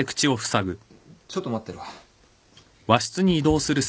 ちょっと待ってろ。